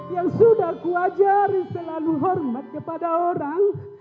yang sudah kuajari selalu hormat kepada orang